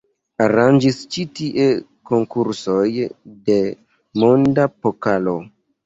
Aranĝis ĉi tie konkursoj de monda pokalo.